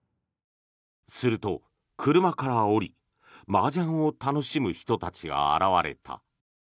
すると、車から降りマージャンを楽しむ人たちが現れた。